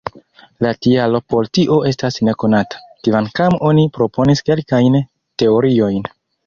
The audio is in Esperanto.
La tialo por tio estas nekonata, kvankam oni proponis kelkajn teoriojn.